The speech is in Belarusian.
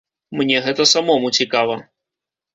Мне гэта самому цікава.